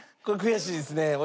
これ悔しいですね